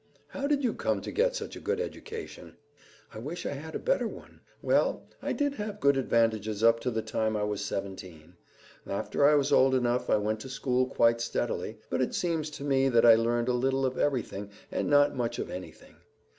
"How did you come to get such a good education?" "I wish I had a better one. Well, I did have good advantages up to the time I was seventeen. After I was old enough I went to school quite steadily, but it seems to me that I learned a little of everything and not much of anything.